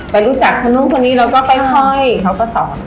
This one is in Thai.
ไปรู้จักพ่อนุ่มคนนี้เราก็ค่อยเขาก็สอน